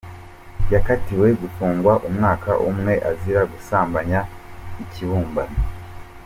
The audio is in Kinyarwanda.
Yakatiwe gufungwa umwaka umwe azira gusambanya ikibumbano